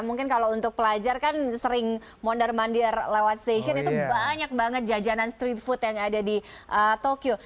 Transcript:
mungkin kalau untuk pelajar kan sering mondar mandir lewat stasiun itu banyak banget jajanan street food yang ada di tokyo